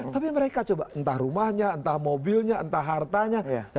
tapi mereka coba entah rumahnya entah mobilnya entah hartanya